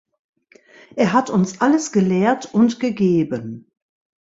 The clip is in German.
Er hat uns alles gelehrt und gegeben.